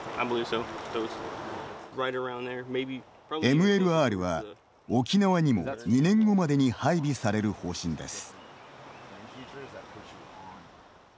ＭＬＲは、沖縄にも２年後までに配備される方針です。